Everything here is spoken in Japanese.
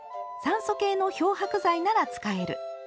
「酸素系の漂白剤なら使える」。